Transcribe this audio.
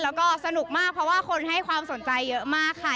แล้วก็สนุกมากเพราะว่าคนให้ความสนใจเยอะมากค่ะ